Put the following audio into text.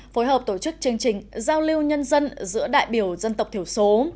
phối hợp tổ chức chương trình giao lưu nhân dân giữa đại biểu dân tộc thiểu số